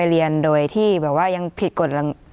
ครูเอามีความบันชาติ